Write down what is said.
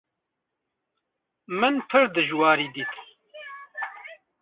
Min pir dijwarî dît.